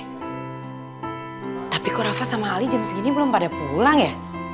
eh tapi kok rafa sama ali jam segini belum pada pulang ya